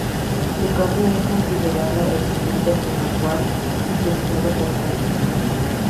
Su carne es considerada excelente, por lo cual es pescado con redes.